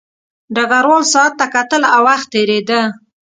ډګروال ساعت ته کتل او وخت تېرېده